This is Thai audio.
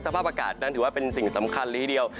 สภาพอากาศนั้นถือว่าเป็นสิ่งสำคัญเลยทีเดียว